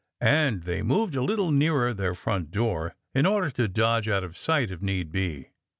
And they moved a little nearer their front door, in order to dodge out of sight if need be.